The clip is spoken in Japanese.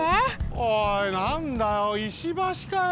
おいなんだよ石橋かよ！